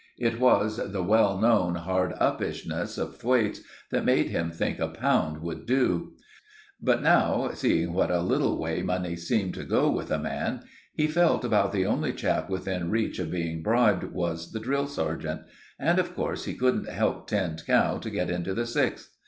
It was the well known hard upishness of Thwaites that made him think a pound would do; but now, seeing what a little way money seemed to go with a man, he felt about the only chap within reach of being bribed was the drill sergeant; and of course he couldn't help Tinned Cow to get into the sixth.